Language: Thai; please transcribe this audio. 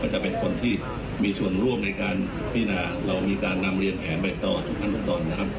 จะเป็นคนที่มีส่วนร่วมในการพินาเรามีการนำเรียนแผนไปต่อทุกขั้นตอนนะครับ